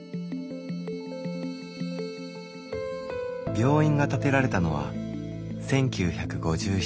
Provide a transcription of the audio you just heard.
病院が建てられたのは１９５７年。